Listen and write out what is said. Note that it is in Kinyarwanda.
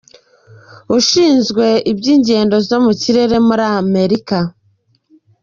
Ishinzwe iby’ingendo zo mu kirere muri Amerika.